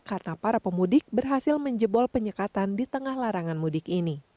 karena para pemudik berhasil menjebol penyekatan di tengah larangan mudik ini